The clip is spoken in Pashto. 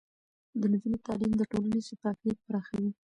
د نجونو تعليم د ټولنې شفافيت پراخوي.